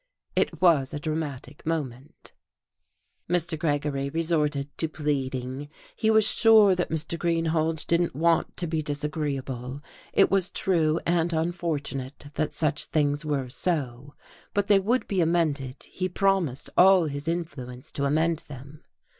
It was a dramatic moment. Mr. Gregory resorted to pleading. He was sure that Mr. Greenhalge didn't want to be disagreeable, it was true and unfortunate that such things were so, but they would be amended: he promised all his influence to amend them.